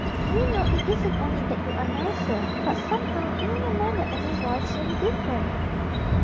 Do you know, it isn't only that you are nicer, but, somehow, even your manner and your voice seem different."